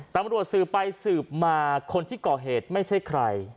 ตำรวจสืบไปสืบมาคนที่ก่อเหตุไม่ใช่ใคร